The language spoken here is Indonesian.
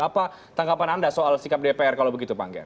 apa tanggapan anda soal sikap dpr kalau begitu panggir